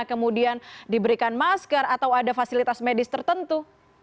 kemudian diberikan masker atau ada fasilitas medis tertentu